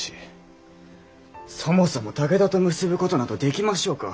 そもそも武田と結ぶことなどできましょうか。